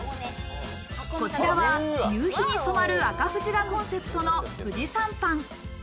こちらは夕日に染まる赤富士がコンセプトの富士山パン。